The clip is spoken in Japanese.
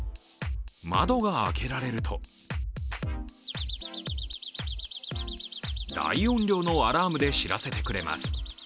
窓が開けられると大音量のアラームで知らせてくれます。